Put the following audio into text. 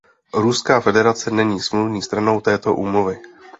Ruská federace není smluvní stranou této úmluvy.